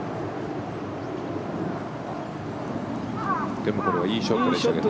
でもこれはいいショットですよね。